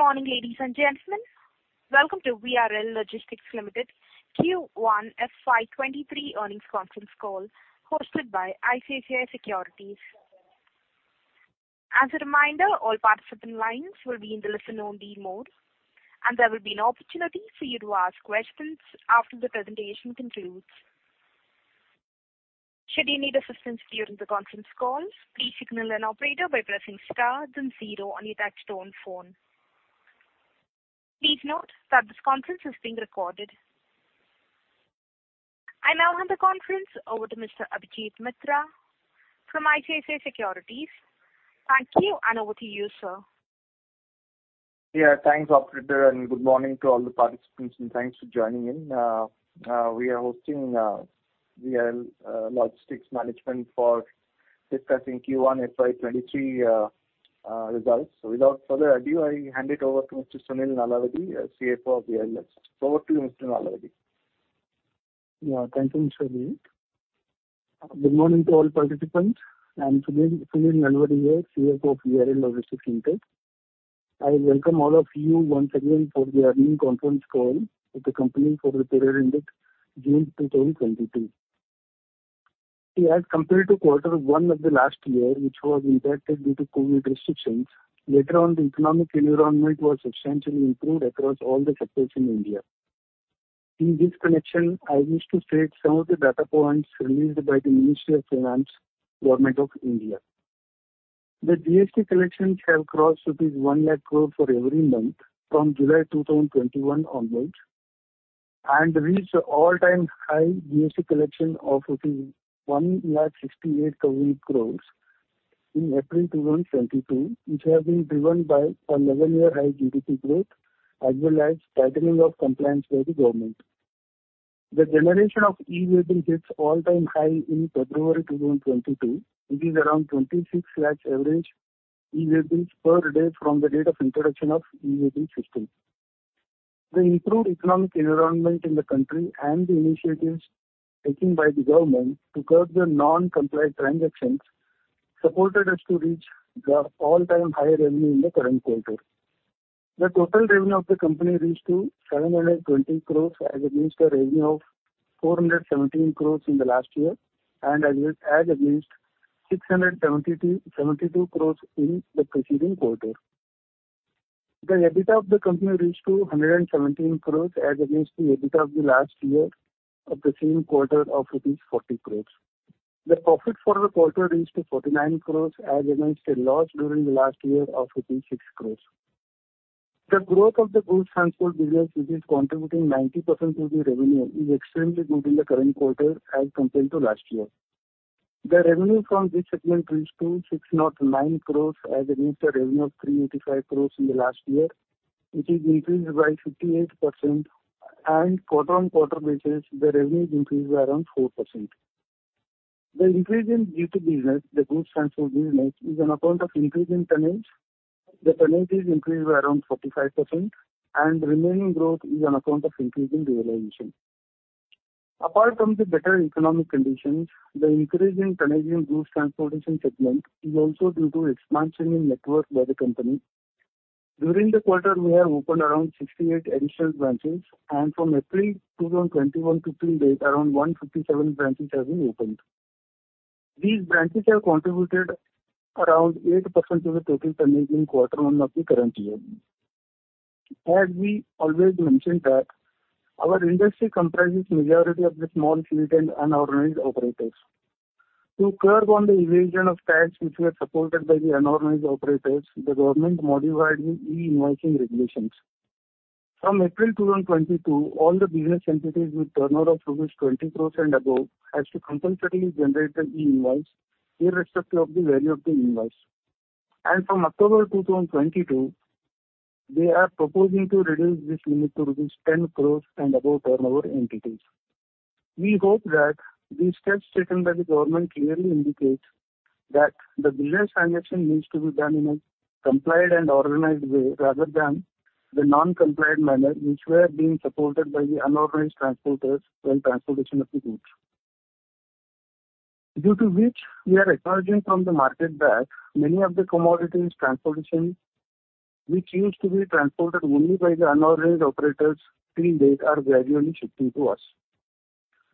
Good morning, ladies and gentlemen. Welcome to VRL Logistics Limited's Q1 FY 2023 earnings conference call hosted by ICICI Securities. As a reminder, all participant lines will be in the listen-only mode, and there will be an opportunity for you to ask questions after the presentation concludes. Should you need assistance during the conference call, please signal an operator by pressing star, then zero on your touch-tone phone. Please note that this conference is being recorded. I now hand the conference over to Mr. Abhijit Mitra from ICICI Securities. Thank you, and over to you, sir. Yeah, thanks, operator, and good morning to all the participants, and thanks for joining in. We are hosting VRL Logistics management for discussing Q1 FY 2023 results. So without further ado, I hand it over to Mr. Sunil Nalavadi, CFO of VRL Logistics. Over to you, Mr. Nalavadi. Yeah, thank you, Mr. Abhijit. Good morning to all participants, and Sunil Nalavadi here, CFO of VRL Logistics Limited. I welcome all of you once again for the earnings conference call at the company for the period ended June 2022. See, as compared to quarter 1 of the last year, which was impacted due to COVID restrictions, later on the economic environment was substantially improved across all the sectors in India. In this connection, I wish to state some of the data points released by the Ministry of Finance, Government of India. The GST collections have crossed rupees 100,000 crore for every month from July 2021 onwards and reached an all-time high GST collection of 168,000 crore in April 2022, which have been driven by an 11-year high GDP growth as well as tightening of compliance by the government. The generation of E-invoices hits an all-time high in February 2022, which is around 26 lakh average E-invoices per day from the date of introduction of the E-invoice system. The improved economic environment in the country and the initiatives taken by the government to curb the non-compliant transactions supported us to reach the all-time high revenue in the current quarter. The total revenue of the company reached 720 crore as against a revenue of 417 crore in the last year and as against 672 crore in the preceding quarter. The EBITDA of the company reached 117 crore as against the EBITDA of the last year of the same quarter of rupees 40 crore. The profit for the quarter reached 49 crore as against a loss during the last year of rupees 6 crore. The growth of the goods transport business, which is contributing 90% to the revenue, is extremely good in the current quarter as compared to last year. The revenue from this segment reached 609 crore as against a revenue of 385 crore in the last year, which is increased by 58%, and quarter-on-quarter basis, the revenues increased by around 4%. The increase in GT business, the goods transport business, is on account of increase in tonnage. The tonnage is increased by around 45%, and the remaining growth is on account of increase in realization. Apart from the better economic conditions, the increase in tonnage in the goods transportation segment is also due to expansion in network by the company. During the quarter, we have opened around 68 additional branches, and from April 2021 to today, around 157 branches have been opened. These branches have contributed around 8% to the total tonnage in quarter one of the current year. As we always mentioned that, our industry comprises a majority of small fleet and unorganized operators. To curb on the evasion of tax, which were supported by the unorganized operators, the government modified the e-invoicing regulations. From April 2022, all the business entities with turnover of rupees 20 crore and above have to compulsorily generate the E-invoice irrespective of the value of the invoice. From October 2022, they are proposing to reduce this limit to rupees 10 crore and above turnover entities. We hope that these steps taken by the government clearly indicate that the business transaction needs to be done in a compliant and organized way rather than the non-compliant manner, which were being supported by the unorganized transporters while transporting the goods. Due to which, we are acknowledging from the market that many of the commodities transportation, which used to be transported only by the unorganized operators till date, are gradually shifting to us.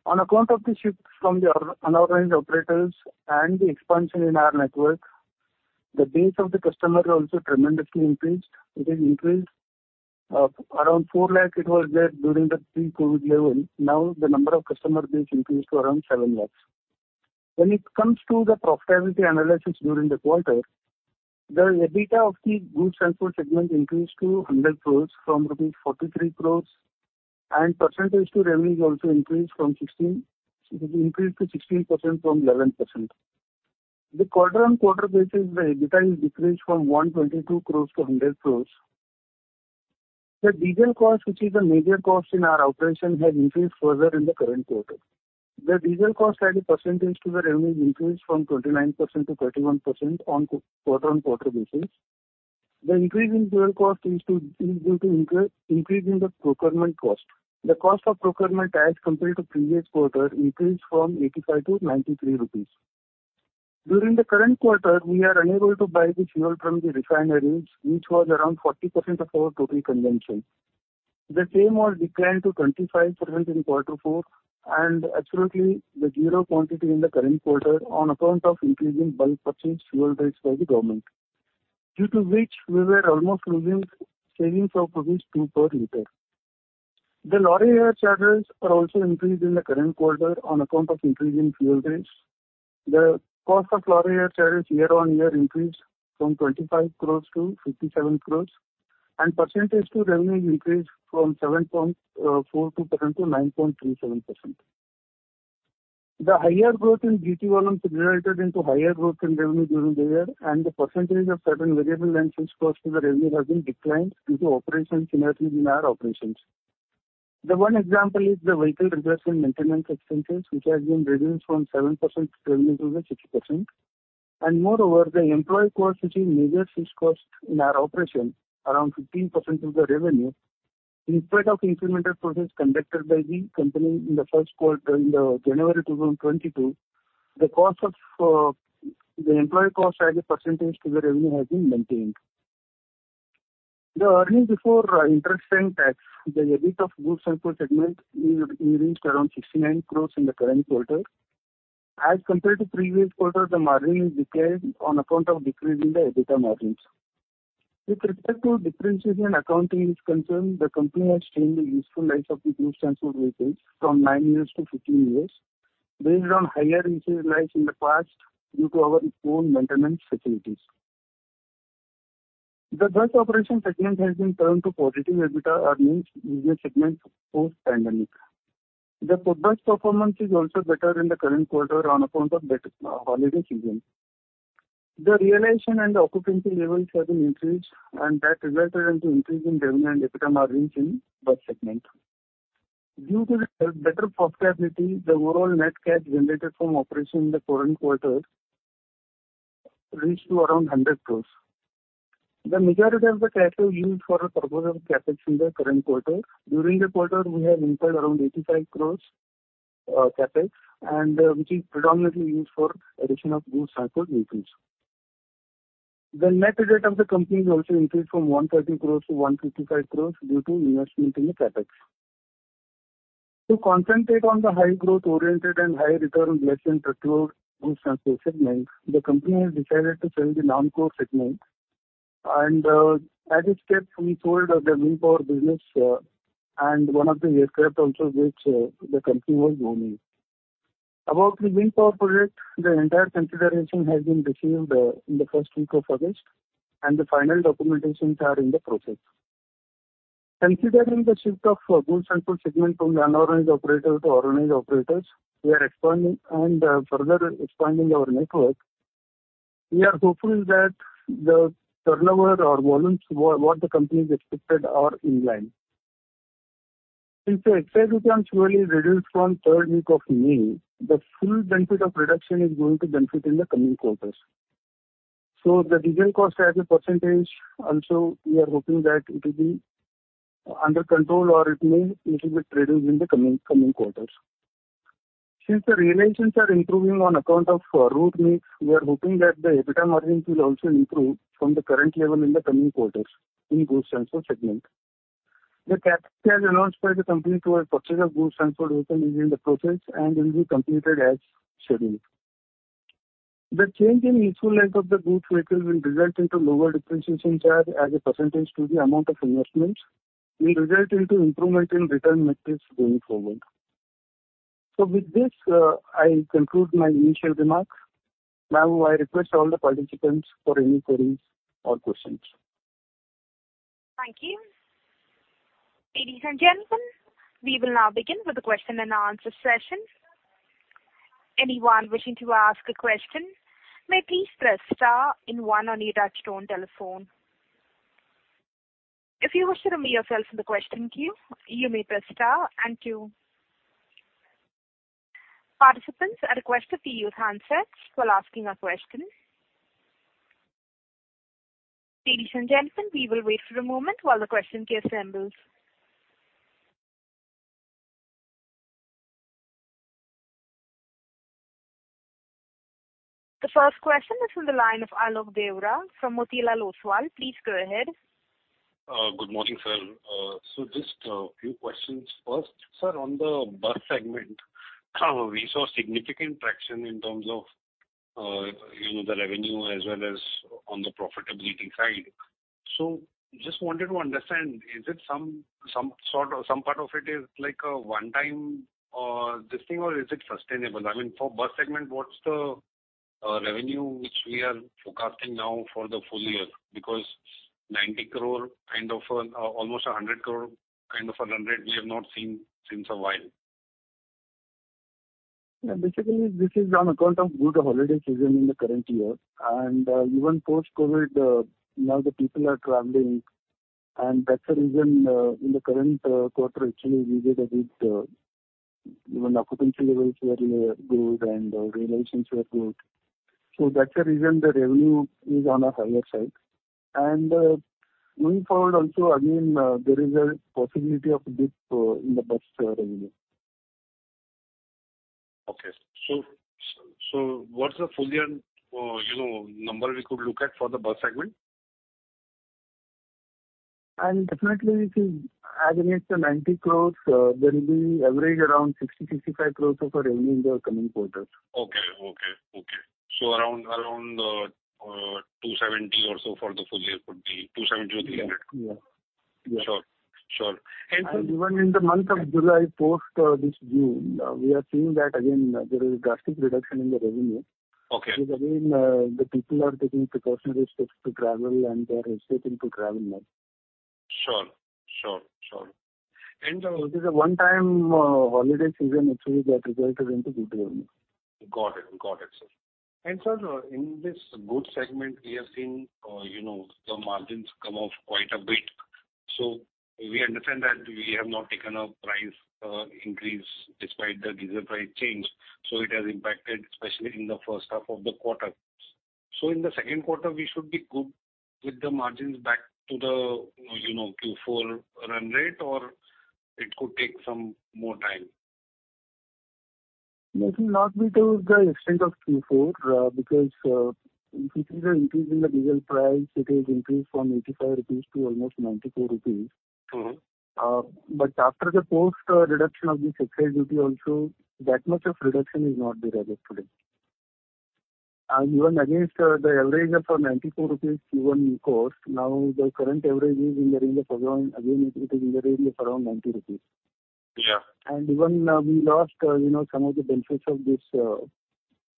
On account of the shift from the unorganized operators and the expansion in our network, the base of the customer also tremendously increased. It has increased; around 400,000 it was there during the pre-COVID level. Now, the number of customer base increased to around 700,000. When it comes to the profitability analysis during the quarter, the EBITDA of the goods transport segment increased to 100 crore from rupees 43 crore, and percentage-to-revenue also increased from 16%, increased to 16% from 11%. The quarter-on-quarter basis, the EBITDA has decreased from 122 crore to 100 crore. The diesel cost, which is a major cost in our operation, has increased further in the current quarter. The diesel cost as a percentage-to-revenue has increased from 29%-31% on quarter-over-quarter basis. The increase in fuel cost is due to increase in the procurement cost. The cost of procurement as compared to previous quarter increased from 85-93 rupees. During the current quarter, we are unable to buy the fuel from the refineries, which was around 40% of our total consumption. The same was declined to 25% in quarter four, and absolutely the zero quantity in the current quarter on account of increasing bulk purchase fuel rates by the government, due to which we were almost losing savings of rupees 2 per liter. The lorry hire charges are also increased in the current quarter on account of increasing fuel rates. The cost of lorry hire charges year-over-year increased from 25 crore-57 crore, and percentage-to-revenue increased from 7.42%-9.37%. The higher growth in GT volumes resulted in higher growth in revenue during the year, and the percentage of certain variable and fixed costs to the revenue has declined due to operational synergy in our operations. The one example is the vehicle repair and maintenance expenses, which have been reduced from 7% of revenue to 6%. Moreover, the employee cost, which is a major fixed cost in our operation, around 15% of the revenue, instead of incremental process conducted by the company in the first quarter in January 2022, the employee cost as a percentage to revenue has been maintained. The earnings before interest and tax, the EBIT of goods transport segment has reached around 69 crore in the current quarter. As compared to previous quarter, the margin has declined on account of decreasing the EBITDA margins. With respect to differences in accounting is concerned, the company has changed the useful life of the Goods Transport vehicles from nine years to 15 years based on higher useful life in the past due to our own maintenance facilities. The Bus Operations segment has been turned to positive EBITDA earnings in the segment post-pandemic. The bus performance is also better in the current quarter on account of the holiday season. The realization and occupancy levels have been increased, and that resulted in an increase in revenue and EBITDA margins in the Bus Operations segment. Due to the better profitability, the overall net cash generated from operation in the current quarter reached around 100 crore. The majority of the cash flow used for the purpose of CapEx in the current quarter, during the quarter, we have incurred around 85 crore CapEx, and which is predominantly used for the addition of goods transport vehicles. The net debt of the company has also increased from 130 crore to 155 crore due to investment in the CapEx. To concentrate on the high-growth-oriented and high-return LTL goods transport segment, the company has decided to sell the non-core segment, and as a step, we sold the wind power business, and one of the aircraft also, which the company was owning. About the wind power project, the entire consideration has been received in the first week of August, and the final documentation is in the process. Considering the shift of goods transport segment from the unorganized operator to organized operators, we are expanding and further expanding our network. We are hopeful that the turnover or volumes what the company is expecting are in line. Since the expectation is surely reduced from third week of May, the full benefit of reduction is going to benefit in the coming quarters. So the diesel cost as a percentage, also, we are hoping that it will be, under control, or it may a little bit reduce in the coming quarters. Since the realizations are improving on account of route needs, we are hoping that the EBITDA margins will also improve from the current level in the coming quarters in goods transport segment. The CapEx as announced by the company to a purchase of goods transport vehicle is in the process and will be completed as scheduled. The change in useful life of the goods vehicle will result in a lower depreciation charge as a percentage to the amount of investment. It will result in an improvement in return metrics going forward. So with this, I conclude my initial remarks. Now, I request all the participants for any queries or questions. Thank you. Ladies and gentlemen, we will now begin with the question-and-answer session. Anyone wishing to ask a question may please press star one on your touch-tone telephone. If you wish to remove yourselves from the question queue, you may press star two. Participants are requested to use handsets while asking a question. Ladies and gentlemen, we will wait for a moment while the question queue assembles. The first question is from the line of Alok Deora from Motilal Oswal. Please go ahead. Good morning, sir. So just a few questions. First, sir, on the bus segment, we saw significant traction in terms of, you know, the revenue as well as on the profitability side. So just wanted to understand, is it some sort of some part of it like a one-time thing, or is it sustainable? I mean, for bus segment, what's the revenue which we are forecasting now for the full year? Because 90 crore kind of an almost 100 crore kind of a run rate we have not seen since a while. Yeah. Basically, this is on account of good holiday season in the current year. And even post-COVID, now the people are traveling, and that's the reason, in the current quarter, actually, we did a good, you know, the occupancy levels were good, and realizations were good. So that's the reason the revenue is on a higher side. And going forward also, again, there is a possibility of a dip in the bus revenue. Okay. So, what's the full year, you know, number we could look at for the bus segment? Definitely, if it's as against the 90 crore, there will be an average around 60-65 crore of a revenue in the coming quarter. Okay. So around 270 or so for the full year could be 270 or 300? Yeah. Yeah. Sure. Sure. And so. Even in the month of July post this June, we are seeing that, again, there is a drastic reduction in the revenue. Okay. Because, again, the people are taking precautionary steps to travel, and they are hesitating to travel now. Sure. Sure. Sure. And, It is a one-time, holiday season, actually, that resulted in a good revenue. Got it. Got it, sir. And, sir, in this goods segment, we have seen, you know, the margins come up quite a bit. So we understand that we have not taken a price increase despite the diesel price change, so it has impacted especially in the first half of the quarter. So in the second quarter, we should be good with the margins back to the, you know, Q4 run rate, or it could take some more time? It will not be to the extent of Q4, because, if you see the increase in the diesel price, it has increased from 85 rupees to almost 94 rupees. Mm-hmm. But after the post reduction of this expectation also, that much of reduction is not there as of today. Even against the average of 94 rupees Q1 cost, now the current average is in the range of around 90 rupees. Yeah. Even, we lost, you know, some of the benefits of this, you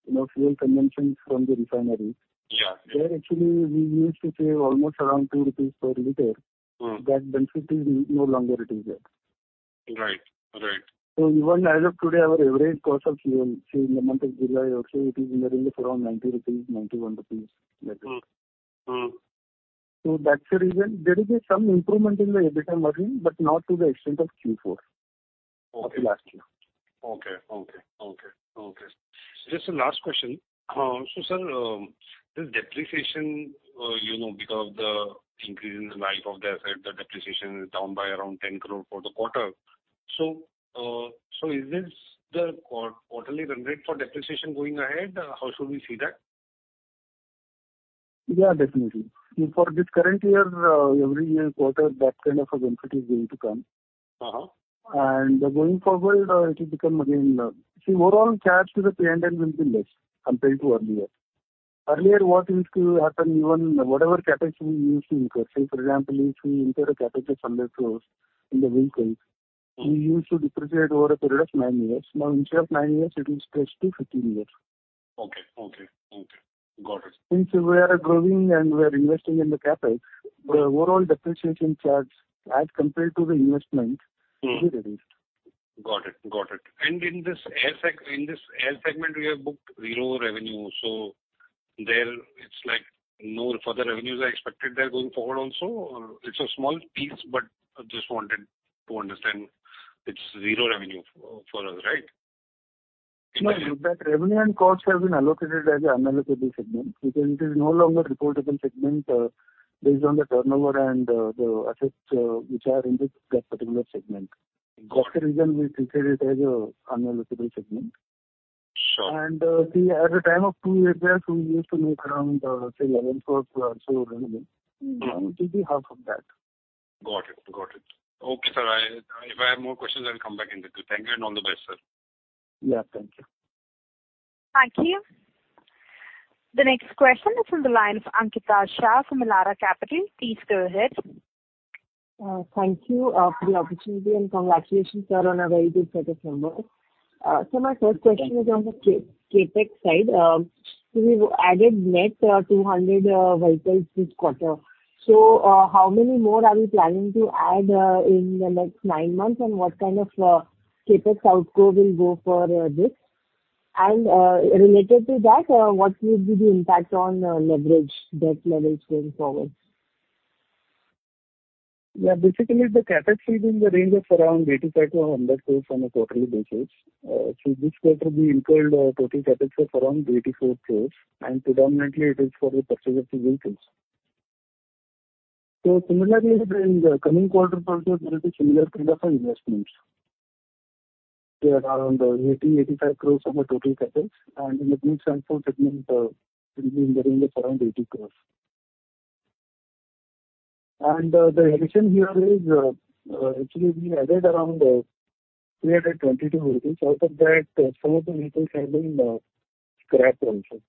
know, fuel consumption from the refineries. Yeah. Yeah. Where, actually, we used to save almost around 2 rupees per liter. That benefit is no longer there yet. Right. Right. So even as of today, our average cost of fuel, say, in the month of July also, it is in the range of aroun,d 90-91, rupees, like that. So that's the reason. There will be some improvement in the EBITDA margin, but not to the extent of Q4. Okay. Of last year. Okay. Just a last question. So, sir, this depreciation, you know, because of the increase in the life of the asset, the depreciation is down by around 10 crore for the quarter. So, is this the quarterly run rate for depreciation going ahead? How should we see that? Yeah, definitely. For this current year, every quarter, that kind of a benefit is going to come. Uh-huh. Going forward, it will become, again, see, overall, charge to the P&L will be less compared to earlier. Earlier, what used to happen, even whatever CapEx we used to incur, say, for example, if we incur a CapEx of INR 100 crore in the vehicles. We used to depreciate over a period of nine years. Now, in the span of nine years, it will stretch to 15 years. Okay. Okay. Okay. Got it. Since we are growing and we are investing in the CapEx, the overall depreciation charge as compared to the investment will be reduced. Got it. Got it. And in this air segment, we have booked zero revenue, so there, it's like no further revenues are expected there going forward also, or it's a small piece, but I just wanted to understand. It's zero revenue for us, right? No. That revenue and cost have been allocated as an unallocated segment because it is no longer a reportable segment, based on the turnover and the assets, which are in that particular segment. Got it. That's the reason we treated it as an unallocable segment. Sure. See, at the time of two years ago, we used to make around, say, INR 11 crore also revenue. Now, it will be half of that. Got it. Got it. Okay, sir. If I have more questions, I will come back in the queue. Thank you, and all the best, sir. Yeah. Thank you. Thank you. The next question is from the line of Ankita Shah from Elara Capital. Please go ahead. Thank you for the opportunity and congratulations, sir, on a very good set of numbers. So my first question is on the CapEx side. So we've added net 200 vehicles this quarter. So how many more are we planning to add in the next 9 months, and what kind of CapEx outgo will go for this? And related to that, what would be the impact on leverage debt levels going forward? Yeah. Basically, the CapEx will be in the range of around 85-100 crores on a quarterly basis. See, this quarter, we incurred total CapEx of around 84 crores, and predominantly, it is for the purchase of the vehicles. So similarly, in the coming quarter also, there is a similar kind of an investment. We have around 80-85 crores on the total CapEx, and in the goods transport segment, it will be in the range of around INR 80 crores. And the addition here is, actually, we added around 322 vehicles. Out of that, some of the vehicles have been scrapped also.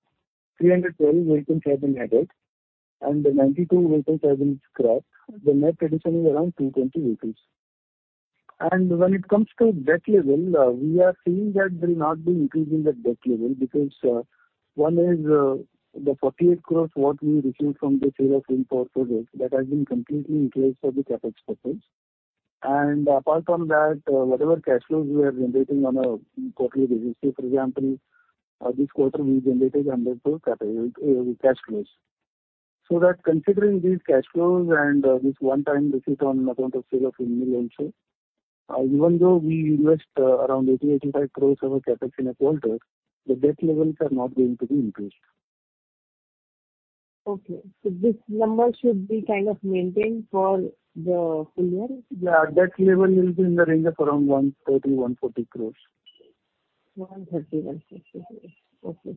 312 vehicles have been added, and 92 vehicles have been scrapped. The net addition is around 220 vehicles. When it comes to debt level, we are seeing that there will not be an increase in the debt level because one is the 48 crore what we received from the sale of wind power project; that has been completely increased for the CapEx purpose. Apart from that, whatever cash flows we are generating on a quarterly basis, say, for example, this quarter, we generated INR 100 crore CapEx cash flows. Considering these cash flows and this one-time receipt on account of sale of windmill also, even though we invest around 80-85 crore of a CapEx in a quarter, the debt levels are not going to be increased. Okay. So this number should be kind of maintained for the full year? Yeah. Debt level will be in the range of around 130 crore-140 crore. 130-140 crores. Okay.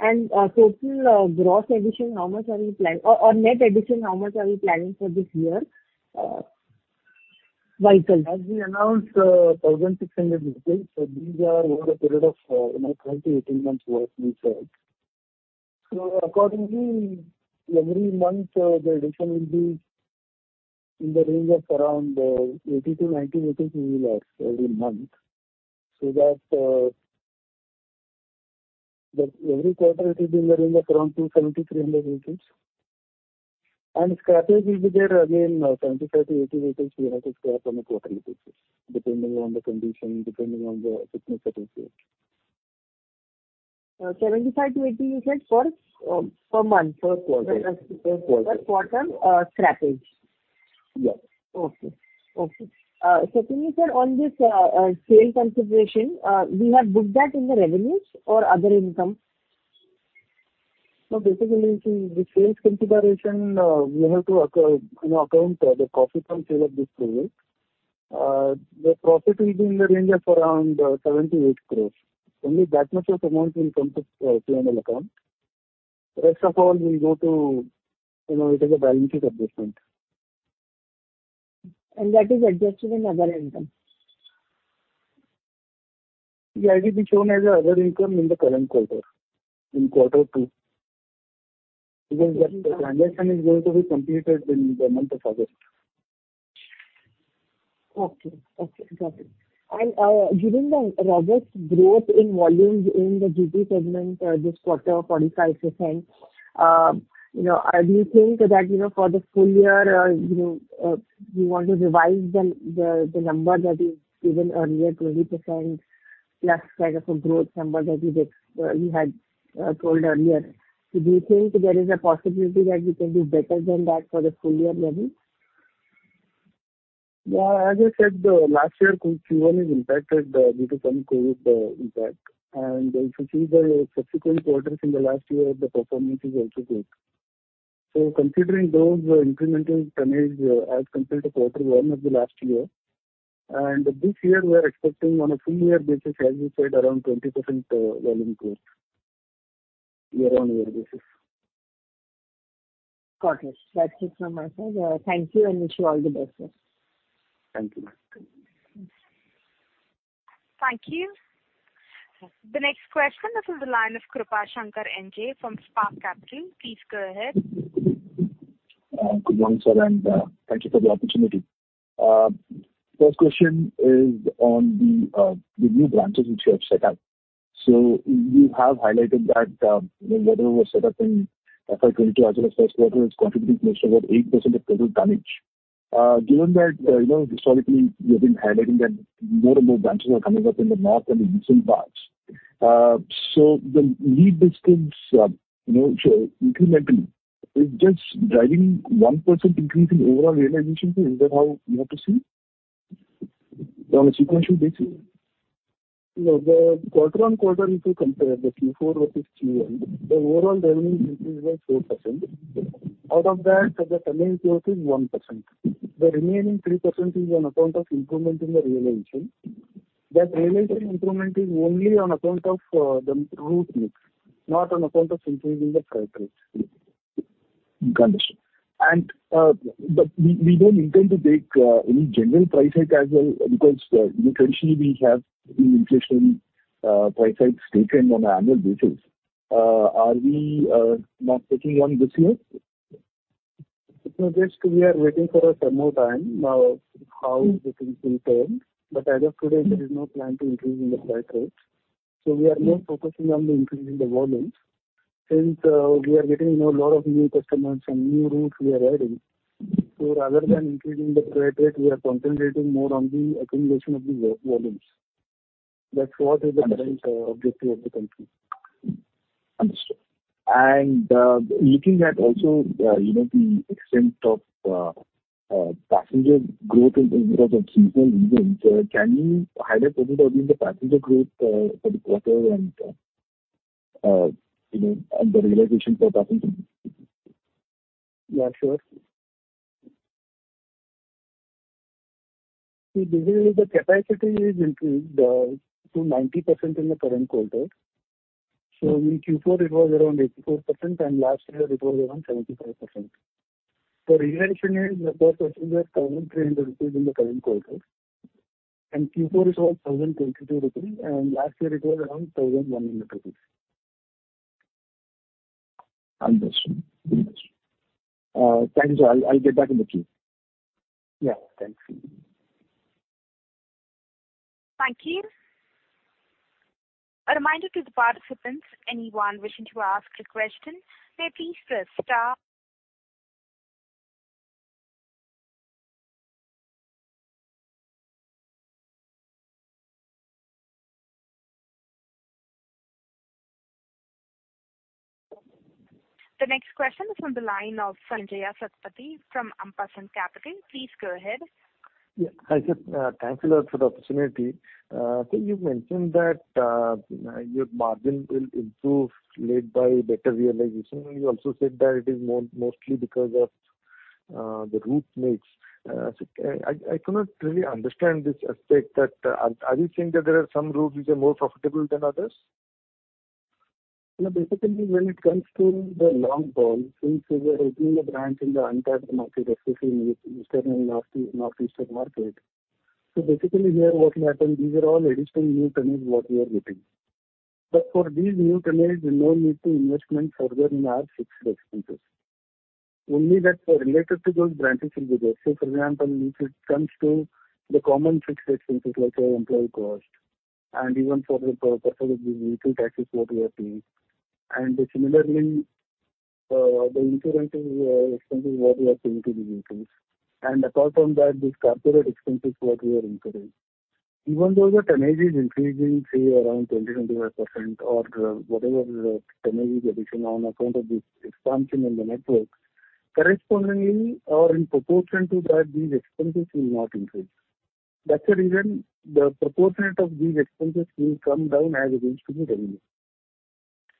And total gross addition, how much are we planning or net addition, how much are we planning for this year, vehicles? As we announced, 1,600 vehicles, so these are over a period of, you know, 12-18 months what we said. So accordingly, every month, the addition will be in the range of around 80-90 vehicles will add every month so that, that every quarter, it will be in the range of around 270-300 vehicles. And scrappage will be there, again, 75-80 vehicles we have to scrap on a quarterly basis depending on the condition, depending on the thickness that is there. 75-80, you said, per month? Per quarter. Per quarter. Per quarter, scrappage? Yes. Okay. Okay. Secondly, sir, on this sale consideration, we have booked that in the revenues or other income? So basically, see, the sales consideration, we have to account, you know, account the profit from sale of this project. The profit will be in the range of around 78 crore. Only that much of amount will come to, P&L account. The rest of all will go to, you know, it is a balance sheet adjustment. That is adjusted in other income? Yeah. It will be shown as another income in the current quarter, in quarter two. Because that transaction is going to be completed in the month of August. Okay. Okay. Got it. And, given the robust growth in volumes in the GT segment this quarter, 45%, you know, do you think that, you know, for the full year, you know, you want to revise the number that is given earlier, 20% plus kind of a growth number that you had told earlier? Do you think there is a possibility that we can do better than that for the full year level? Yeah. As I said, last year, Q1 is impacted, due to some COVID, impact. And if you see the subsequent quarters in the last year, the performance is also good. So considering those, incremental turnovers as compared to quarter one of the last year, and this year, we are expecting on a full year basis, as you said, around 20%, volume growth year-on-year basis. Got it. That's it from my side. Thank you, and wish you all the best, sir. Thank you. Thank you. The next question, this is the line of Krupashankar NJ from Spark Capital. Please go ahead. Good morning, sir, and thank you for the opportunity. First question is on the new branches which you have set up. So you have highlighted that, you know, whatever was set up in FY 2022 as well as first quarter is contributing close to about 8% of total turnover. Given that, you know, historically, you have been highlighting that more and more branches are coming up in the north and the eastern parts, so the lead distance, you know, incrementally, is just driving 1% increase in overall realizations? Is that how you have to see it on a sequential basis? No. The quarter-on-quarter, if you compare the Q4 versus Q1, the overall revenue increase was 4%. Out of that, the turnover, of course, is 1%. The remaining 3% is on account of improvement in the realization. That realization improvement is only on account of, the route mix, not on account of increasing the freight rate. Got it. But we don't intend to take any general price hike as well because, you know, traditionally, we have seen inflation price hikes taken on an annual basis. Are we not taking one this year? No, just we are waiting for a summer time, how the things will turn. But as of today, there is no plan to increase in the freight rate. So we are more focusing on the increase in the volume since, we are getting, you know, a lot of new customers and new routes we are adding. So rather than increasing the freight rate, we are concentrating more on the accumulation of the volumes. That's what is the current objective of the company. Understood. Looking at also, you know, the extent of passenger growth in terms of seasonal reasons, can you highlight what would have been the passenger growth for the quarter and, you know, and the realization for passenger? Yeah. Sure. See, basically, the capacity is increased to 90% in the current quarter. So in Q4, it was around 84%, and last year, it was around 75%. The realization is, of course, we are currently at INR 1,300 in the current quarter. And Q4, it was 1,022 rupees, and last year, it was around 1,100 rupees. Understood. Understood. Thank you, sir. I'll, I'll get back in the queue. Yeah. Thanks. Thank you. A reminder to the participants, anyone wishing to ask a question, may please press star. The next question is from the line of Sanjaya Satapathy from Ampersand Capital. Please go ahead. Yeah. Hi, sir. Thanks a lot for the opportunity. See, you've mentioned that your margin will improve led by better realization. You also said that it is mostly because of the route mix. So, I cannot really understand this aspect that are you saying that there are some routes which are more profitable than others? Yeah. Basically, when it comes to the long haul, since we are opening the branch in the untapped market, especially in the eastern and northeastern market, so basically, here, what will happen, these are all additional new turnovers what we are getting. But for these new turnovers, there is no need to invest more further in our fixed expenses. Only that related to those branches, it will be there. Say, for example, if it comes to the common fixed expenses like employee cost and even for the purpose of the vehicle taxes what we are paying, and similarly, the insurance expenses what we are paying to the vehicles. And apart from that, these corporate expenses what we are incurring. Even though the turnovers are increasing, say, around 20%-25% or whatever the turnovers addition on account of the expansion in the network, correspondingly or in proportion to that, these expenses will not increase. That's the reason the proportion of these expenses will come down as it is to the revenue.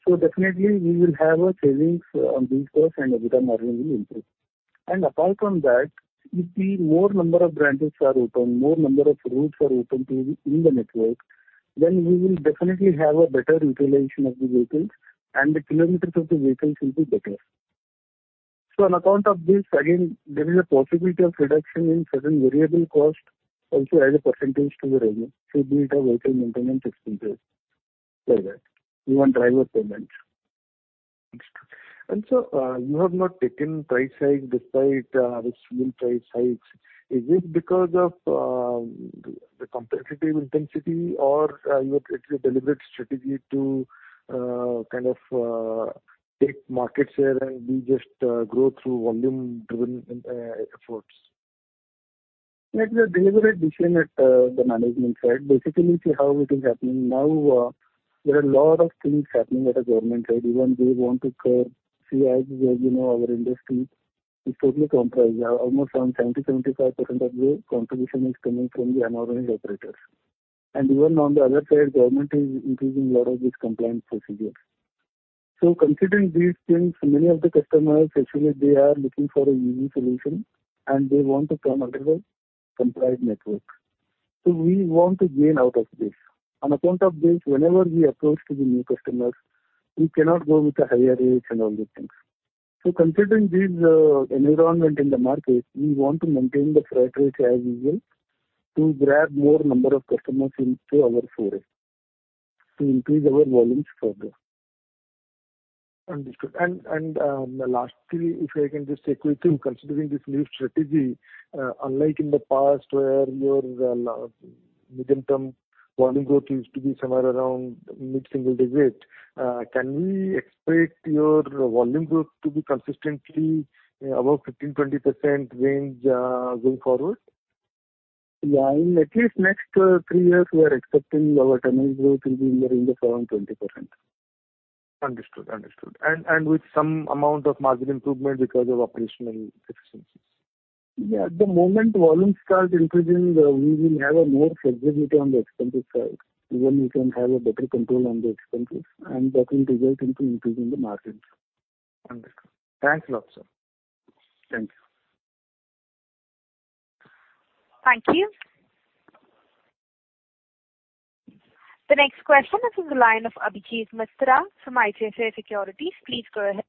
So definitely, we will have savings on these costs, and the margin will improve. And apart from that, if the more number of branches are open, more number of routes are open to the in the network, then we will definitely have a better utilization of the vehicles, and the kilometers of the vehicles will be better. So on account of this, again, there is a possibility of reduction in certain variable costs also as a percentage to the revenue, say, built-up vehicle maintenance expenses like that, even driver payments. Understood. And so, you have not taken price hikes despite these freight rate hikes. Is this because of the competitive intensity or it's a deliberate strategy to kind of take market share and we just grow through volume-driven efforts? Yeah. It's a deliberate decision at the management side. Basically, see how it is happening. Now, there are a lot of things happening at the government side. Even they want to curb. See, as you know, our industry is totally compromised. Almost around 70%-75% of the contribution is coming from the unorganized operators. And even on the other side, government is increasing a lot of these compliance procedures. So considering these things, many of the customers, actually, they are looking for an easy solution, and they want to come under a compliant network. So we want to gain out of this. On account of this, whenever we approach to the new customers, we cannot go with a higher rate and all these things. Considering this environment in the market, we want to maintain the freight rate as usual to grab more number of customers into our fold, to increase our volumes further. Understood. Lastly, if I can just take you through, considering this new strategy, unlike in the past where your medium-term volume growth used to be somewhere around mid-single digit, can we expect your volume growth to be consistently above 15%-20% range, going forward? Yeah. In at least the next three years, we are expecting our turnovers will be in the range of around 20%. Understood. Understood. And, and with some amount of margin improvement because of operational efficiencies? Yeah. At the moment, volume starts increasing, we will have more flexibility on the expenses side. Even we can have better control on the expenses, and that will result into increasing the margins. Understood. Thanks a lot, sir. Thank you. Thank you. The next question, this is the line of Abhijit Mitra from ICICI Securities. Please go ahead.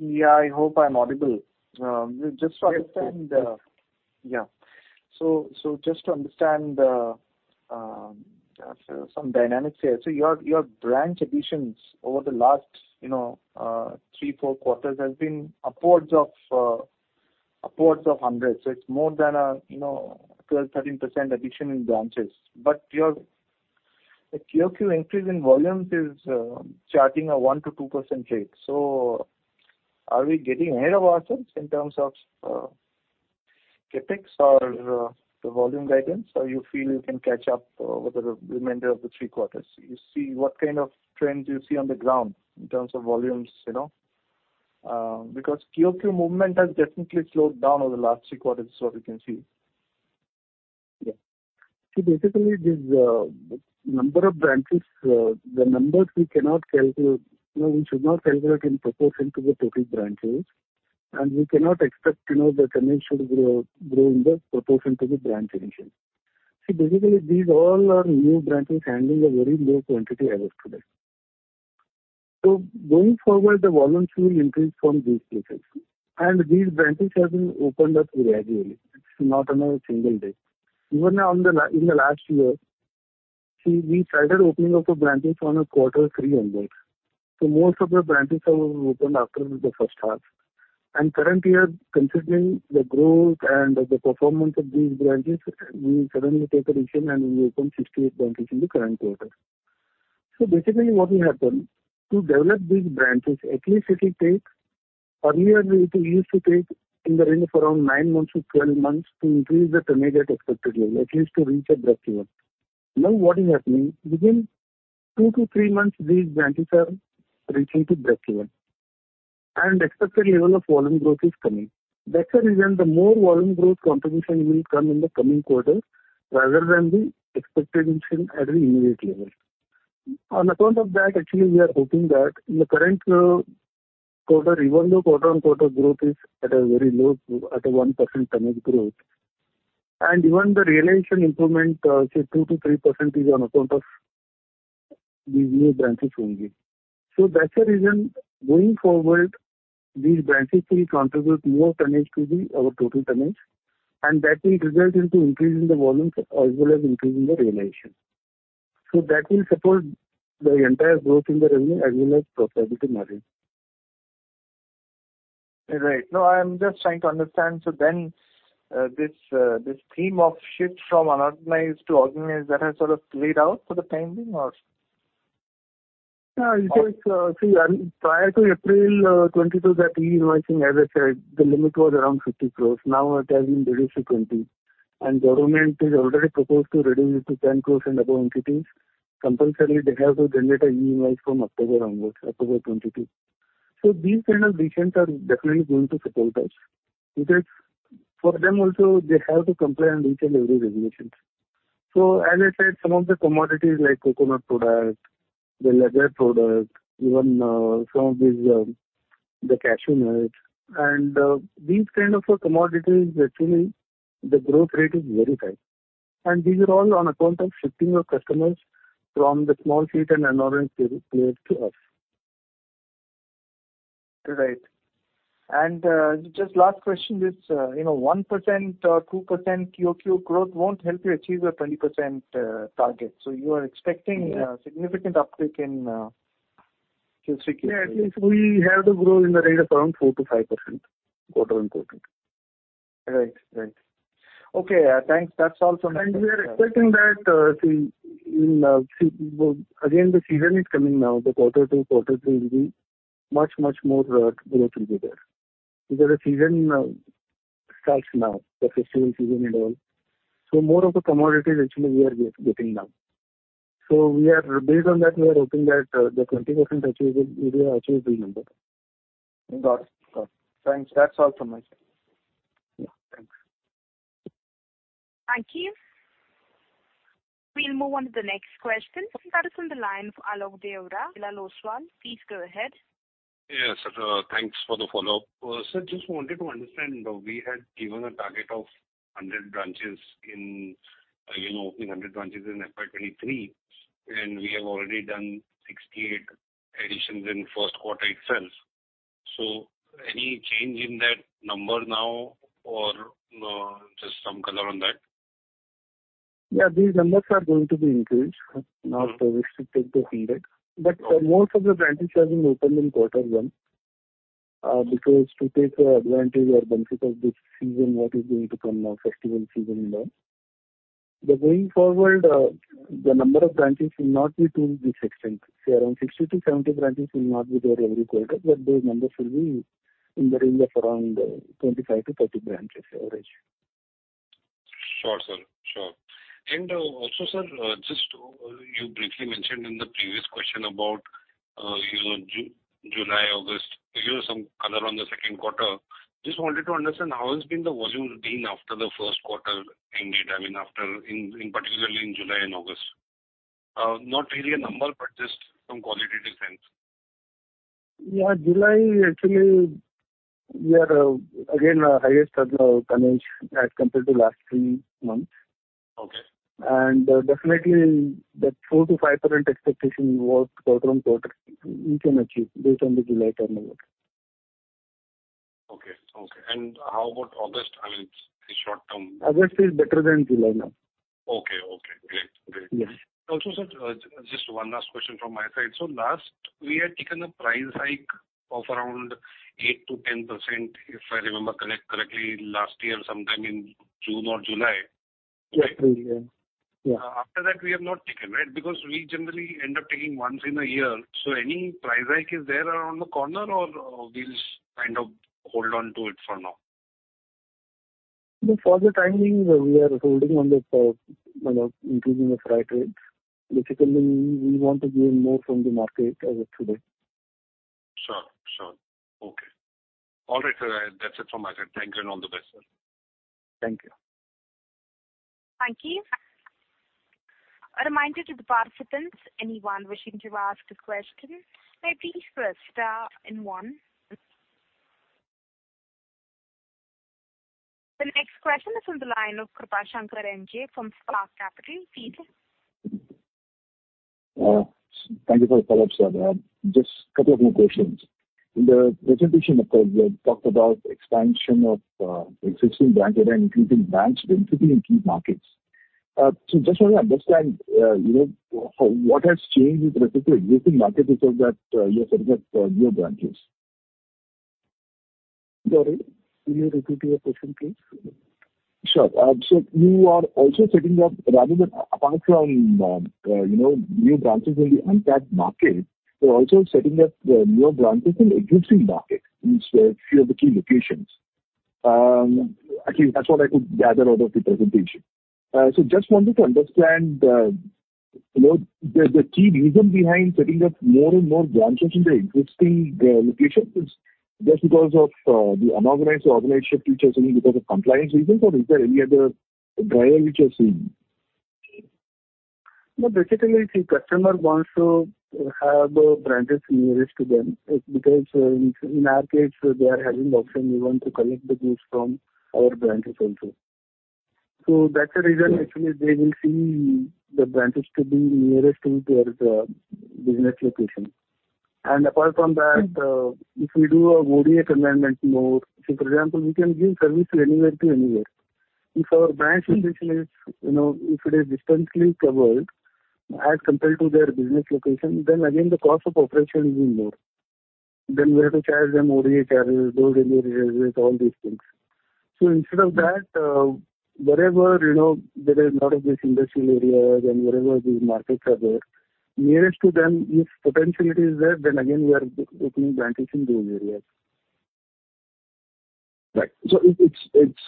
Yeah. I hope I'm audible. Just to understand, Yes, please. Yeah. So, so just to understand the, some dynamics here. So your, your branch additions over the last, you know, three, four quarters have been upwards of, upwards of 100. So it's more than a, you know, 12%-13% addition in branches. But your, QoQ increase in volumes is, charting a 1%-2% rate. So are we getting ahead of ourselves in terms of, CapEx or, the volume guidance, or you feel you can catch up, with the remainder of the three quarters? You see what kind of trends you see on the ground in terms of volumes, you know? Because QoQ movement has definitely slowed down over the last three quarters, is what we can see. Yeah. See, basically, this number of branches, the numbers we cannot calculate, you know, we should not calculate in proportion to the total branches. And we cannot expect, you know, the turnovers should grow, grow in the proportion to the branch addition. See, basically, these all are new branches handling a very low quantity as of today. So going forward, the volumes will increase from these places. And these branches have been opened up gradually. It's not on a single day. Even in the last year, see, we started opening up the branches from quarter three onwards. So most of the branches have opened after the first half. And current year, considering the growth and the performance of these branches, we suddenly take a decision, and we open 68 branches in the current quarter. So basically, what will happen to develop these branches—at least it will take earlier, it used to take in the range of around nine months to 12 months to increase the turnover at expected level, at least to reach a breakeven. Now, what is happening, within two to three months, these branches are reaching to breakeven. And expected level of volume growth is coming. That's the reason the more volume growth contribution will come in the coming quarter rather than the expected addition at the immediate level. On account of that, actually, we are hoping that in the current quarter, even though quarter-on-quarter growth is at a very low at a 1% turnover growth, and even the realization improvement, say, 2%-3% is on account of these new branches only. That's the reason going forward, these branches will contribute more turnovers to our total turnovers, and that will result into increasing the volumes as well as increasing the realization. That will support the entire growth in the revenue as well as profitability margin. Right. No, I'm just trying to understand. So then, this, this theme of shift from unorganized to organized, that has sort of played out for the time being, or? Yeah. It is, see, prior to April 2022, that e-invoicing, as I said, the limit was around 50 crore. Now, it has been reduced to 20. And government has already proposed to reduce it to 10 crore and above entities. Compulsorily, they have to generate an E-invoice from October 2022 onwards. So these kind of decisions are definitely going to support us because for them also, they have to comply on each and every regulation. So as I said, some of the commodities like coconut product, the leather product, even, some of these, the cashew nuts, and, these kind of commodities, actually, the growth rate is very high. And these are all on account of shifting of customers from the small fleet and unorganized players to us. Right. Just last question, this, you know, 1% or 2% QoQ growth won't help you achieve your 20% target. So you are expecting. Yeah. A significant uptick in Q3, Q4. Yeah. At least we have to grow in the range of around 4%-5% quarter-on-quarter. Right. Right. Okay. Thanks. That's all from me. And we are expecting that, again, the season is coming now. The quarter two, quarter three will be much, much more. Growth will be there. Because the season starts now, the festival season and all. So more of the commodities, actually, we are getting now. So we are based on that, we are hoping that the 20% achievable will be an achievable number. Got it. Got it. Thanks. That's all from me, sir. Yeah. Thanks. Thank you. We'll move on to the next question. We've got us on the line for Alok Deora, Motilal Oswal. Please go ahead. Yes, sir. Thanks for the follow-up. Sir, just wanted to understand, we had given a target of 100 branches in, you know, opening 100 branches in FY 2023, and we have already done 68 additions in the first quarter itself. So any change in that number now or, just some color on that? Yeah. These numbers are going to be increased, not restricted to 100. But, most of the branches have been opened in quarter one, because to take advantage or benefit of this season, what is going to come now, festival season now. But going forward, the number of branches will not be to this extent. See, around 60-70 branches will not be there every quarter, but those numbers will be in the range of around 25-30 branches average. Sure, sir. Sure. And, also, sir, just, you briefly mentioned in the previous question about, you know, July, August, you know, some color on the second quarter. Just wanted to understand how has been the volume been after the first quarter ended, I mean, after, in particularly in July and August? Not really a number, but just some qualitative sense. Yeah. July, actually, we are again highest turnover, turnovers as compared to last three months. Okay. Definitely, that 4%-5% expectation what quarter-over-quarter we can achieve based on the July turnover. Okay. Okay. And how about August? I mean, it's, it's short term. August is better than July now. Okay. Okay. Great. Great. Yeah. Also, sir, just one last question from my side. So last, we had taken a price hike of around 8%-10%, if I remember correctly, last year sometime in June or July. Yeah. April. Yeah. Yeah. After that, we have not taken, right? Because we generally end up taking once in a year. So any price hike is there around the corner, or, we'll kind of hold on to it for now? Yeah. For the time being, we are holding on this, you know, increasing the freight rates. Basically, we want to gain more from the market as of today. Sure. Sure. Okay. All right, sir. That's it from my side. Thank you, and all the best, sir. Thank you. Thank you. A reminder to the participants, anyone wishing to ask a question, may please first start in one. The next question is on the line of Krupashankar NJ from Spark Capital. Please. Thank you for the follow-up, sir. Just a couple of more questions. In the presentation, of course, we have talked about expansion of existing branches and increasing branch density in key markets. So just want to understand, you know, how what has changed with respect to existing markets is that you're setting up new branches. Sorry? Can you repeat your question, please? Sure. So you are also setting up rather than apart from, you know, new branches in the untapped market, you're also setting up newer branches in existing markets in a few of the key locations. Actually, that's what I could gather out of the presentation. So just wanted to understand, you know, the key reason behind setting up more and more branches in the existing locations, is that because of the unorganized to organized shift which you're seeing because of compliance reasons, or is there any other driver which you're seeing? No, basically, see, customer wants to have branches nearest to them. It's because, in our case, they are having auction. We want to collect the goods from our branches also. So that's the reason, actually, they will see the branches to be nearest to their business location. And apart from that, if we do a ODA conversion more, see, for example, we can give service to anywhere to anywhere. If our branch location is, you know, if it is distantly covered as compared to their business location, then again, the cost of operation will be more. Then we have to charge them ODA charges, door delivery charges, all these things. So instead of that, wherever, you know, there are a lot of these industrial areas and wherever these markets are there, nearest to them, if potentiality is there, then again, we are opening branches in those areas. Right. So it's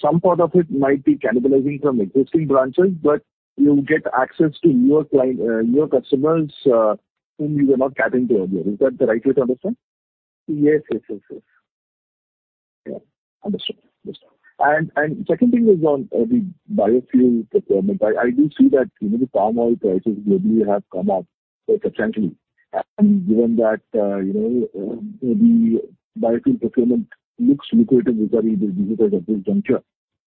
some part of it might be cannibalizing from existing branches, but you get access to newer client, newer customers, whom you were not catering to earlier. Is that the right way to understand? Yes. Yes. Yes. Yes. Yeah. Understood. Understood. And second thing is on the biofuel procurement. I do see that, you know, the palm oil prices globally have come up substantially. And given that, you know, the biofuel procurement looks lucrative vis-à-vis diesel at this juncture,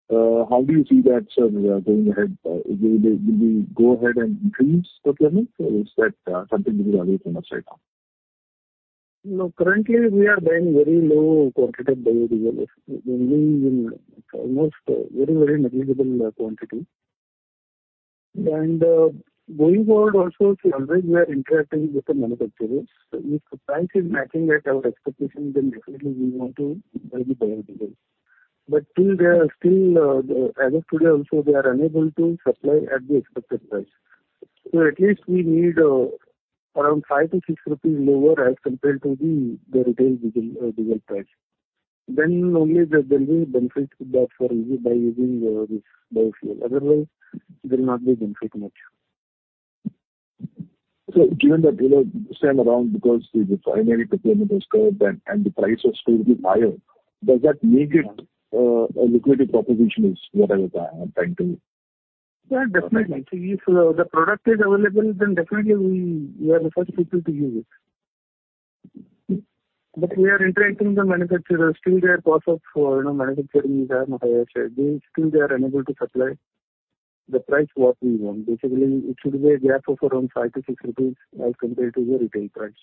how do you see that, sir, going ahead? Will they go ahead and increase procurement, or is that something you will always want to sell now? No. Currently, we are buying very low quantity of biofuel. It only in almost very, very negligible quantity. And, going forward also, see, always we are interacting with the manufacturers. If the price is matching at our expectations, then definitely we want to buy the biofuel. But till they are still, as of today also, they are unable to supply at the expected price. So at least we need, around 5-6 rupees lower as compared to the, the retail diesel, diesel price. Then only the, there will be benefit to that for using by using, this biofuel. Otherwise, there will not be benefit much. So given that, you know, same amount because the primary procurement has curbed and the price has still been higher, does that make it a lucrative proposition is what I was trying to? Yeah. Definitely. See, if the product is available, then definitely we are the first people to use it. But we are interacting with the manufacturers. Still, their cost of, you know, manufacturing is higher than what I have said. They still are unable to supply the price what we want. Basically, it should be a gap of around 5-6 rupees as compared to the retail price.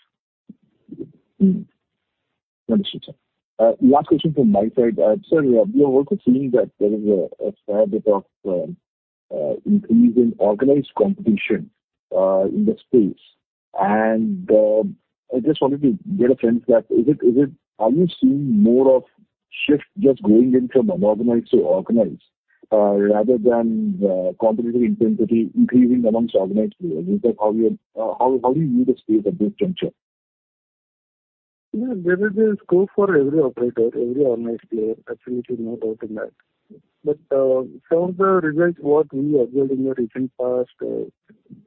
Understood, sir. Last question from my side. Sir, we are also seeing that there is a fair bit of increase in organized competition in the space. I just wanted to get a sense that is it, is it are you seeing more of shift just going in from unorganized to organized, rather than competitive intensity increasing amongst organized players? Is that how you're, how, how do you view the space at this juncture? Yeah. There is a scope for every operator, every organized player. Absolutely, no doubt in that. But some of the results what we observed in the recent past,